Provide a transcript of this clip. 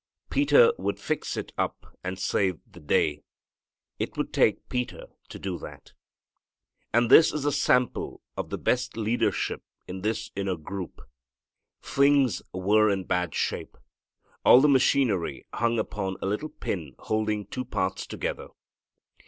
Peter would fix it up and save the day. It would take Peter to do that. And this is a sample of the best leadership in this inner group. Things were in bad shape. All the machinery hung upon a little pin holding two parts together.